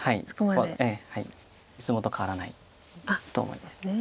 いつもと変わらないと思います。